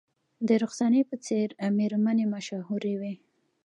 د رخسانې په څیر میرمنې مشهورې وې